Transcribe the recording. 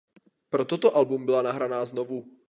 Pro toto album byla nahraná znovu.